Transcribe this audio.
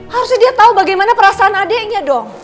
harusnya dia tau bagaimana perasaan adeknya dong